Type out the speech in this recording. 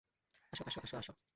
আসো, আসো, আসো, আসো!